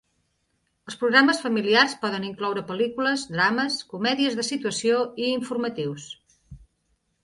El programes familiars poden incloure pel·lícules, drames, comèdies de situació i informatius.